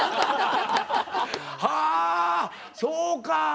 はそうか。